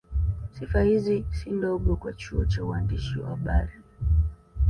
Sifa hizi si ndogo kwa chuo cha uandishi wa habari